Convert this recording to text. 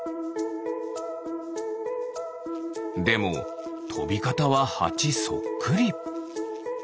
でもとびかたはハチそっくり。